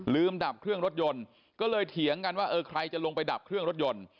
ดับเครื่องรถยนต์ก็เลยเถียงกันว่าเออใครจะลงไปดับเครื่องรถยนต์